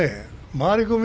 回り込み